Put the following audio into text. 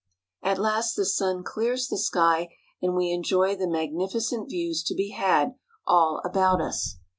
At last the sun clears the sky, and we enjoy the mag nificent views to be had all about us.